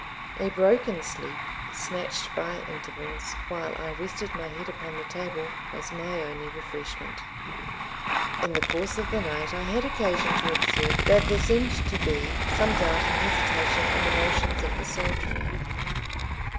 A broken sleep, snatched by intervals, while I rested my head upon the table, was my only refreshment. In the course of the night I had occasion to observe that there seemed to be some doubt and hesitation in the motions of the soldiery.